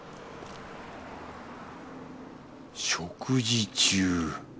食事中。